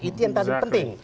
itu yang paling penting